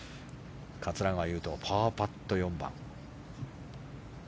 桂川有人パーパット、４番。